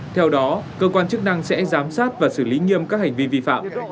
theo đó cơ quan chức năng sẽ giám sát và xử lý nghiêm các hành vi vi phạm